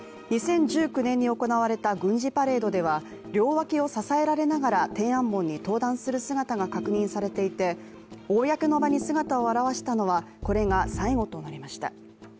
２０１９年に行われた軍事パレードでは両脇を支えられながら天安門に登壇する姿が確認されていて公の場に姿を現したのはこれが最後となりました。